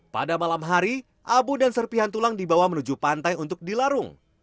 pada malam hari abu dan serpihan tulang dibawa menuju pantai untuk dilarung